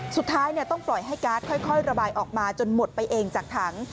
สุดท้ายต้องปล่อยให้การ์ดค่อยระบายออกมาจนหมดไปเองจากถัง